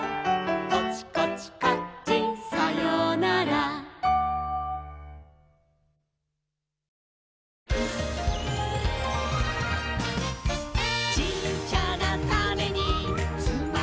「コチコチカッチンさようなら」「ちっちゃなタネにつまってるんだ」